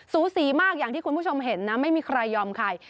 สูสีมากอย่างที่คุณผู้ชมเห็นนะไม่มีใครยอมใคร